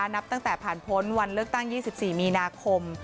นับตั้งแต่ผ่านพ้นวันเลือกตั้ง๒๔มีนาคม